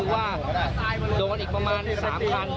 อ๋อคือว่าโดนอีกประมาณ๓ครั้ง